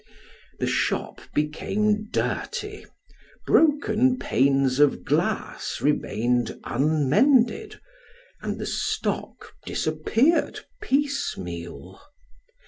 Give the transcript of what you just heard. The shop became dirty, broken panes of glass remained unmended, and the stock disappeared piecemeal.